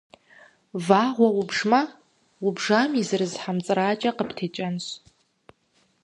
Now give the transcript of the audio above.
Вагъуэ убжмэ, убжам и зырыз хьэмцӏыракӏэ къыптекӏэнщ.